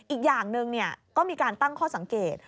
อีกอย่างหนึ่งก็มีการตั้งข้อสังเกต